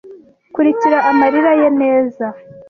Kurikira amarira ye neza